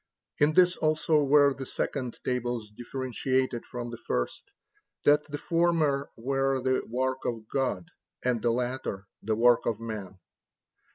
In this also were the second tables differentiated from the first, that the former were the work of God, and the latter, the work of man.